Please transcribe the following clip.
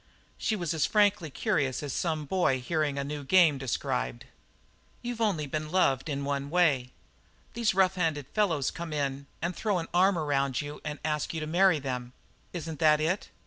She was as frankly curious as some boy hearing a new game described. "You've only been loved in one way. These rough handed fellows come in and throw an arm around you and ask you to marry them; isn't that it?